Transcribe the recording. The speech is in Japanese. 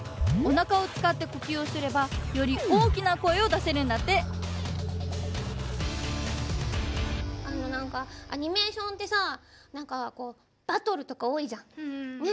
おなかを使って呼吸をすればより大きな声をだせるんだってなんかアニメーションってさバトルとかおおいじゃん。